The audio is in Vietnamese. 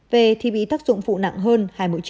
về thì bị tác dụng phụ nặng hơn